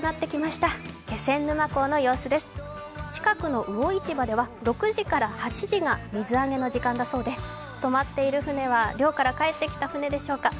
近くの魚市場では６時から８時が水揚げの時間だそうで、止まっている船は漁から帰ってきた船でしょうか。